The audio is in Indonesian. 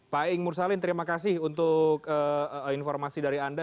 pak ing mursalin terima kasih untuk informasi dari anda